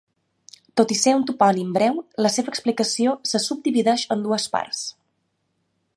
Tot i ser un topònim breu, la seva explicació se subdivideix en dues parts.